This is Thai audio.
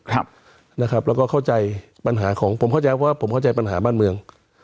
แล้วก็เข้าใจปัญหาของผมเข้าใจบ้านเมือง